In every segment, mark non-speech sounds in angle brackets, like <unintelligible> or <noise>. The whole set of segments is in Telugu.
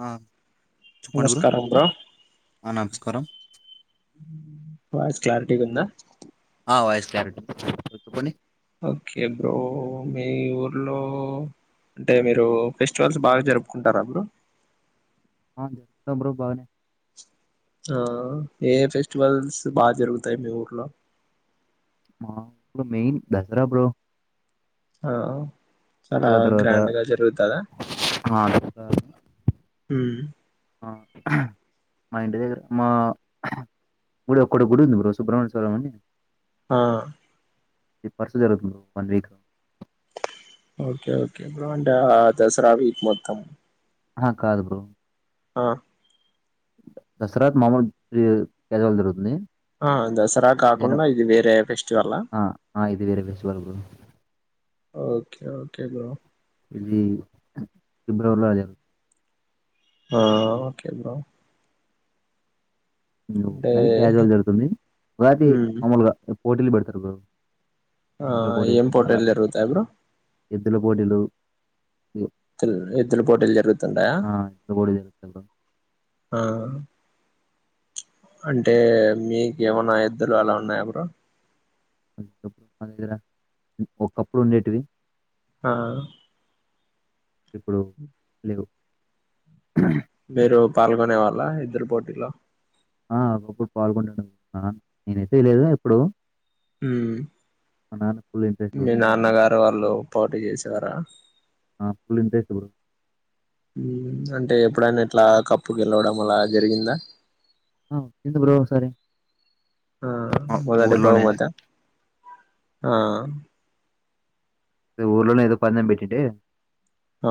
ఆ నమస్కారం బ్ర కరం బ క్లారిటీ కొంద యిస్ క్యారె కొని ఓకే బ్రో మ ఊర్లో అంటే మీరు ఫెస్టివల్స్ బాగా జరుపుకుంటారా బ్ర సబరు బాగానే ఆ ఏ ఫెస్టివల్స్ బాగా జరుగుతాయి మీ ఊర్లో ప్పు మెయిన్ దసరా బ ఆ చాలా తర్వాత గ్రాండ్ గా జరుగుతుందా ఆ దసరా హ మా ఇంటి దగ్గర మా గుడు ఒక్కడ గుడి ఉంది బ్ర సుబ్రహ్మణ్య స్వరమి అని ఆ ఇ పర్సు జరుగుతుంద వన్ వీక్ ఓకే ఓకే బప్పు అంటే ఆ దసరా వీక్ మొత్తం ఆ కాదు గు ఆ దసరా కజవాల్ జరుగుతుంది ఆ దసరా జన కాకుండా ఇది వేరే ఫెస్టివల్ ఆ ఆ ఇది వేరే festival bro okay okay bro ఇది ఫిబ్రవరిలో అజే ఓకే బ్రో అంటే అరి క్యాజువల్ జరుగుతుంది ఒకటి ఉమ్ మామూలుగా పోటీలు పెడతారు ఆ ఎద్దుల పోటీలు ఏం అలా పోటిల్ జరతి బ్రో ఎద్దుల పోటీలు ఈ త్ ఎత్తుల పోటీలు జరుగుతుంటాయా ఆ! ఇప్పుడు గూడా జరుగుతాయి బ్రో. ఆ అంటే మీకు ఏమన్నా ఎద్దలు అలా ఉన్నాయా బ్రో ప్పుడు మాన దగ్గర ఒకప్పుడు ఉండేటివి ఆ ఇప్పుడు లేవు మీరు పాల్గొనే వాళ్ళ ఎద్దరు పోటీలో ఆప్పుడు పాల్గొంటడు నేనుతేయలేదు ఎప్పుడు హ మా నాన్న ఫుల్ ఇంట్రెస్ట్ బ్రో. మీ నాన్నగారు వాళ్ళు పోటీ చేసేవారా ఫుల్ ఇంట్రెస్ట్ ఎప్పుడు అంటే ఎప్పుడైనా ఎట్లా కప్పుగేలవడం అలా జరిగిందా ఆ అయింది బ్రో ఒకసారి ఆ మొదటి బహుమతి ఆ ఊర్లోనే ఏదో పదం పెట్టింటే ఆ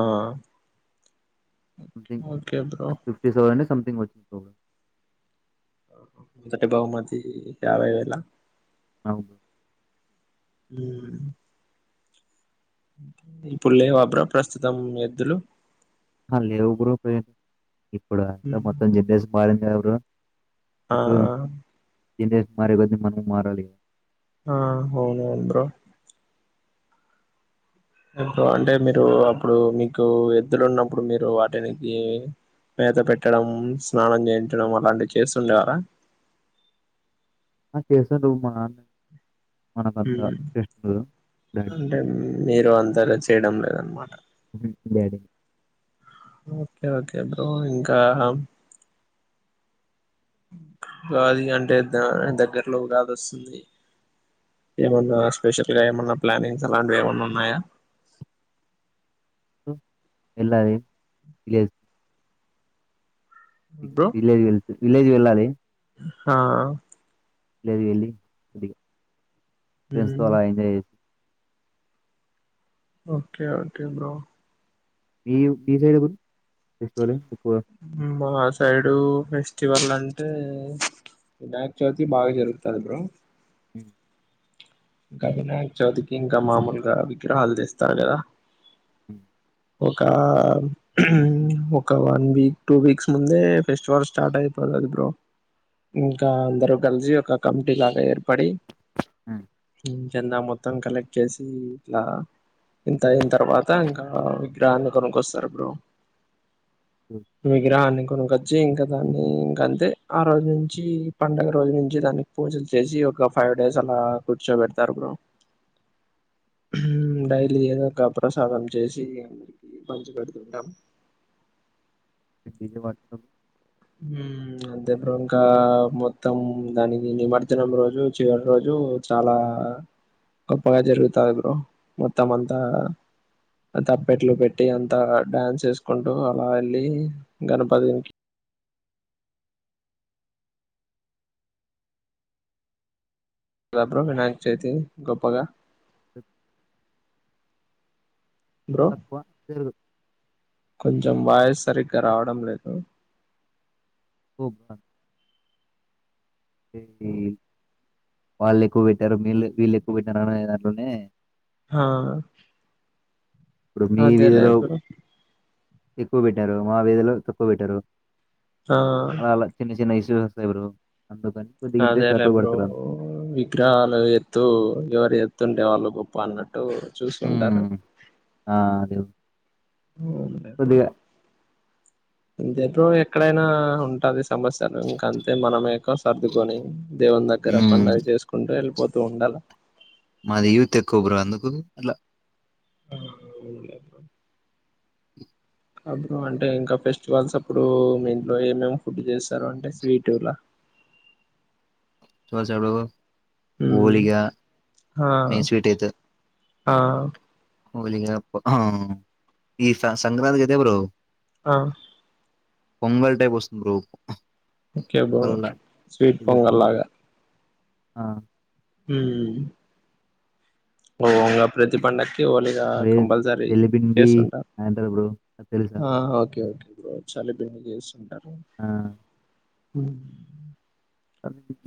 something okay bro fifty seven అండి సంథింగ్ వచ్చింది మటి బహుమతి వై వేళ అవును హ ఇప్పు లేవా ప్రస్తుతం ఎద్దులు లేవు బ్రూ ఇప్పుడు అంతా మ్మ్ మొత్తం జన్నేసి మారింది క బ్ర ఆ తస్ట్ మరి బ మన మరాల ఆ అవును అందు అంటే మీరు అప్పుడు మీకు ఎద్దులున్నప్పుడు మీరు వాటినికి మేత పెట్టడం స్నానం చేయించడం అలాంటివి చేస్తుండేవారా ఆ చేసేవాళ్ళు మా నాన్న మనకంత మ్మ్. ఇంటెస్ట్ అంటే మీరు అంతలో చేయడం లేదన్నమాట లేదు ఓకే ఓకే బ్రో ఇంకా కాది అంటే ద దగ్గరలో ఉగాది వస్తుంది ఏమన్నా స్పెషల్ గా ఏమన్నా ప్లానింగ్స్ అలాంటివి ఏమన్నా ఉన్నాయా <unintelligible> ఎ తెలి బ్రో విలేజ్ వెళ్ విలేజ్ వెళ్ళాలి ఆ లేదు వెళ్ళి కొద్దిగా ఫ్రెండ్స్ త మ్మ్. అలా ఎంజాయ్ చేసి ఓకే ఓకే బ్రో. ఈవ్ ఈ సైడ్ ఎపుడ్ తిస్కోలె. ఉమ్ బొనాచ్ తైడూ ఫెస్టివల్ అంటే వినాయక చవితి బాగా జరుగుతది బ్రో. ఉ ఇంకా వినాయక చవితికి ఇంకా మాములుగా విగ్రహాలు తెస్తారు గదా. ఉ ఒక ఒక వన్ వీక్ టూ వీక్స్ ముందే ఫెస్టివల్ స్టార్ట్ అయిపో తది బ్రో ఇంకా అందరు కలిసి ఒక కమిటీ లాగా ఏర్పడి అ ఇన్ చందా మొత్తం కలెక్ట్ చేసీ ఇట్లా ఇంత అయిన తర్వాతా ఇంకా విగ్రహాన్ని కొనుకొస్తారు బ్రో. విగ్రహాన్ని కొనుకొచ్చి ఇంక దాన్ని ఇంకంతే ఆ రోజు నుంచి పండుగ రోజు నుంచి దానికి పూజలు చేసి ఒక ఫైవ్ డేస్ అలా కూర్చో బెడతారు బ్రో డైలీ ఏదో ఒక ప్రసాదం చేసి అందరికి పంచి పెడుతుంటాం. <inaudible> డిజే వాడుతాం ఉ అంతే బ్రో ఇంకా మొత్తం దానికి నిమర్జనం రోజు చివరి రోజు చాలా గొప్పగా జరుగుతాది బ్రో మొత్తం అంతా తప్పెట్లు పెట్టి అంతా డాన్స్ చేసుకుంటూ అలా యెళ్లి గణపతునికి రా బ్రో వినాయక చవితి గొప్పగా <inaudible> బ్రో తక్కువ పెరుగు కొంచెం వాయిస్ సరిగ్గా రావడం లేదు <inaudible> పెడ్డి వాళ్ళు ఎక్కువ బెట్టారు వీళ్లే వీళ్ళు ఎక్కువ పెట్టారు అనేదాంట్లోనే హా ఇప్పుడు మీ వీధిలో ఎక్కువ బెట్టరు మా వీధిలో తక్కువ బెట్టారు ఆ! అలా అలా చిన్న చిన్న ఇస్ సులు వస్తాయ్ బ్రో అందుకని కొద్దిగా అదే ఇంట్రెస్ట్ లే తక్కువ బ్రో పెడతారు అందు విగ్రహాలు ఎత్తు ఎవరు ఎత్తుంటే వాళ్ళు గొప్ప అన్నట్టు ట్టు చూస్కుంటారు ఆ అదే ఉన్లే బ్రో కొద్దిగా ఇంతే బ్రో ఎక్కడైనా ఉంటది సమస్యలు ఇంకంతే మనమే ఎక సర్దుకొని దేవుని దగ్గర ఉమ్, పండుగ జేసుకుంటూ ఎళ్ళిపోత్ తో ఉండాలా మాది యూత్ ఎక్కువ బ్రో అందుకు అట్ల ఆ అవునులే కాబడుం <unintelligible> అంటే ఇంకా ఫెస్టివల్స్ అప్పుడూ మీ ఇంట్లో ఏమేమి ఫుడ్ చేస్తారు అంటే స్వీటుల <inaudible> <unintelligible> ఓలిగా ఆ మీ స్వీట్ అయితే ఆ హోలిగా అప్ అహు ఈ సంక్రాంతికైతే బ్రో ఆ పొంగల్ టైప్ వస్తుంది bro okay bro sweet Pongal లాగా ఆ ఉ ఓ ఉంగ ప్రతి పండగ్కి ఓలీగా కంపల్సరీ ఎల్లిపిండి చేస్తుంటా అంటారు బ్రో అది తెలుసా ఆ హోకే ఓకే బ్రో చాలా బిజి జేస్తుంటా ఆ ఉ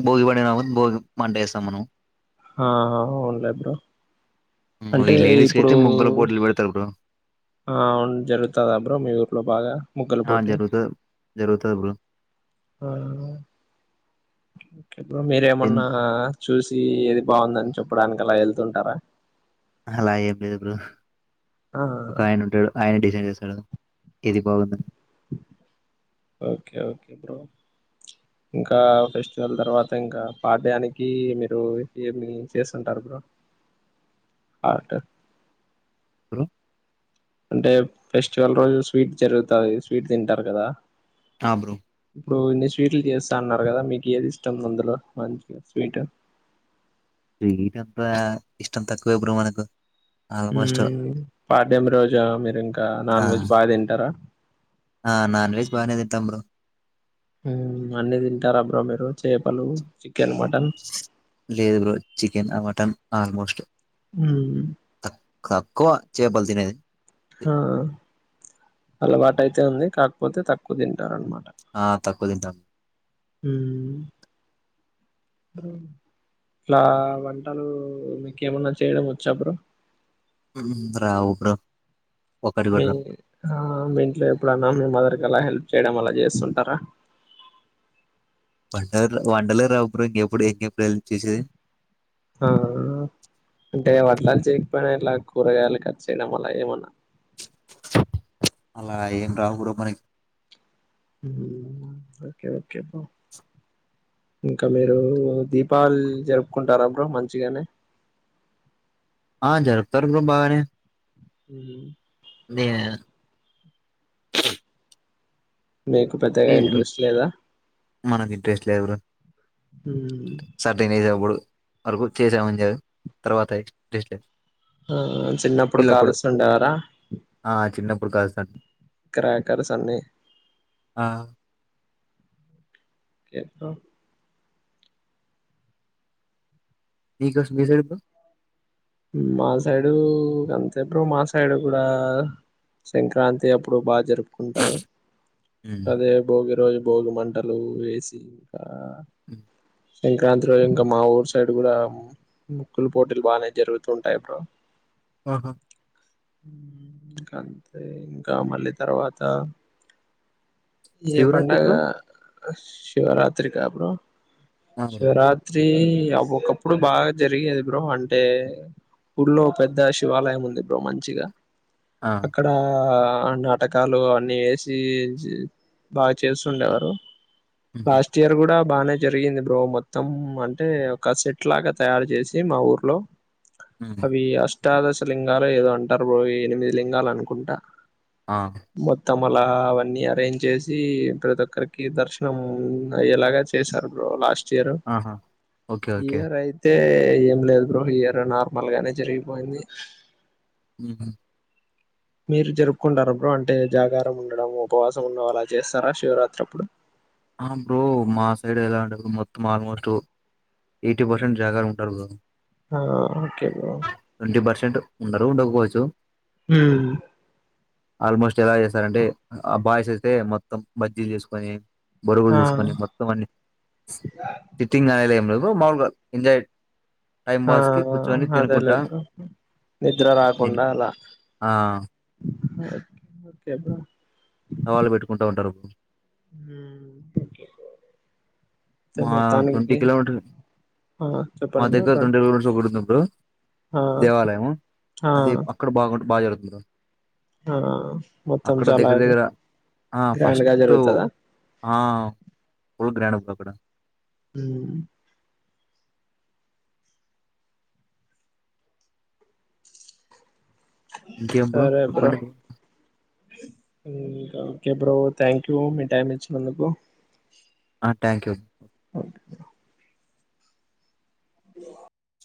భోగి పండనాడు భోగి మంట వేస్తాం మనము ఆ అవునులే బ్రో ఈ అంటే లేడీస్ కి ఇప్పుడు అయితే ముగ్గుల పోటీలు పెడతారు బ్రో ఆ జరుగుతదా బ్రో మీ ఊర్లో బాగా ముగ్గుల ఆ పోటీ జరుగుతాది జరుగుతది బ్రో ఇప్పుడు ఎన్ మీరేమన్నా చూసి ఏది బాగుందని చెప్పడానికి అలా వెళ్తుంటారా అలా ఏంలేదు బ్రో ఆ ఒక ఆయన ఉంటాడు ఆయన డిసైన్ చేస్తాడు ఎది బాగుందని ఓకే ఓకే బ్రో ఇంకా ఫెస్టివల్ తర్వాత ఇంకా పాఠ్యానికి మీరు ఏమి చేస్తుంటారు బ్రో ఆట్ హలో అంటే ఫెస్టివల్ రోజు స్వీట్ జరుగుతది స్వీట్ తింటారు కదా హా బ్రో ఇప్పుడు ఇన్ని స్వీట్లు చేస్తా అన్నారు కదా మీకు ఏది ఇష్టం అందులో మంచిగా స్వీట్ రీట్ అంత ఇష్టం తక్కువ బ్రో మనకు ఆల్మోస్ట్ పాదమి రోజా మీరు ఇంకా ఆ నాన్ వెజ్ బాగా తింటారా ఆ నాన్ వెజ్ బానే తింటాం బ్రో అన్ని తింటారుా బ్రో మీరు చేపలు చికెన్ మటన్ లేదు బ్రో చికెన్ ఆ మటన్ ఆల్మోస్ట్ హ తక్కువ చేపల తినేది ఆ అలవాటు అయితే ఉంది కాకపోతే తక్కువ తింటారన్నమాట ఆ తక్కువ తింటాం అ ఇలా వంటలు మీకు ఏమన్నా చేయడం వచ్చా బ్రో రావు బ్రో ఒకటి మీ కూడా రావు ఆ మీ ఇంట్లో ఎప్పుడున్నామ మీ మదర్ కి అలా హెల్ప్ చేయడం అలా చేస్తుంటారా వండ వంటలే రావ బ్రో ఇంకెప్పుడు ఎం ప్రయ చేసేది ఆ అంటే వట్లాలు చేయకపోయినా ఇట్లా కూరగాయలు కట్ చేయడం వల్ల ఏమన్నా అలా ఏం రావు బ్రో మనకి ఉమ్ ఒకే ఒకే బ్రో ఇంకా మీరు దీపాళి జరుపుకుంటారా బ్రో మంచిగానే ఆ జరుపుతారు బ్రో బాగానే హ నే మీకు పెద్దగా ఇంట్రెస్ట్ లేదా మనకు ఇంట్రెస్ట్ లేదు బ్రో ఉమ్ సర్టిన్ ఏజ్ ఎప్పుడూ వరకు చేసామనిరు తర్వాత ఇంట్రెస్ట్ లేదు ఆ చిన్నప్పుడు పిల్లప్పుడు కాలుస్తుండే వార ఆ చిన్నప్పుడు కాస్త క్రేకెర్స్ అన్ని ఆ కా మీ సైడ్ బ్రో మా సైడు అంతే బ్రో మా సైడు కూడా సంక్రాంతి అప్పుడు బాగా జరుపుకుంటారు మ్మ్. అదే భోగి రోజు భోగి మంటలు వేసి ఇంకా అ సంక్రాంతి రోజు ఇంకా మా ఊరు సైడ్ కూడా ముగ్గుల పోటీలు బాగానే జరుగుంది ంటాయి బ్రో ఆహా ఇంకా అంతే ఇంకా మళ్ళీ తర్వాత ఏ శివరాత్రి పండగ బ్రో శివరాత్రకి అప్పుర ఆ బ్రో. శివరాత్రి ఒకప్పుడు బాగా జరిగేది బ్రో అంటే ఊళ్లోో పెద్ద శివాలయం ఉంది ఇప్పుో మంచిగా ఆ అక్కడ నాటకాలు అన్నిీ వేసి బాగా చేస్తుండేవారు మ్మ్. లాస్ట్ ఇయర్ కూడా బానే జరిగింది బ్రో మొత్తం అంటే ఒక సెట్ లాగా తయారు చేసి మా ఊర్లో మ్మ్. అవి అష్టాదశ లింగాలు ఏదో అంటారు పోో ఎనిమిది లింగాలు అనుకుంటా ఆ మల అవన్నీ అరేంజ చేసి ప్రతి ఒక్కరికి దర్శనం అయ్యేలాగా చేశారు లాస్ట్ ఆహా ఓకే ఓకే. ఈయారు అయితే అే ఏం లేదు బ్రోహయారు నార్మల్ గానే జరిగిపోయింది హ మీరు జరుపుకుంటార అప్పుడు అంటే జాగారం ఉండడం ఉపవాసం ఉండ అలా చేస్తారా శివరాత్రి అప్పుడు ఆ బ్రో మా సైడ్ ఎలా ఉంటేప్పుడు మొత్తం ఆల్మోస్ట్ ఎయిటీ పర్సెంట్ జాగ ఉంటారు కదా ఆ ఓకే బ ఉండరు క్కకోవచ్చు హ ఆల్మోస్ట్ ఎలా చేస్తారంటే ఆ బాయ్స్ అయితే మొత్తం బజ్జీలు చేసుకొని బొరుగులు ఆ తీసుకొని మొత్తం అన్ని సిట్టింగ్ ఆలాలయంలో మాౌలుగా ఇ ఏడ్ ఆ అదలదు నిద్ర తిని రాకుండా అలా ఆ! వాళ్ళు పెట్టుకుంటా ఉంటారుప్పు హ మా ట్వంటీ కిలోమీటర్స్ ఆ మా చెప్పండి దగ్గర బ్రో ట్వంటీ కిలోమీటర్ ఒకడుంద ఇప్పుడు ఆ దేవాలయం ఆ అది అక్కడ బాగుంట బాగా జరుగుతుడు ఆ మత్తం దగ్గర చాలకు దగ్గర ఆ ఫస్ట్ ఆ ఫ గ్రండ్ హ ఇంకేం బ్రో సరే అబ్ర చెప్పండి బ్రో ఇకా ఓకే బ్రో థ్యాంక్ యూ మీ టైం ఇచ్చినందుకు థ్యాంక్యూ ఓకే అ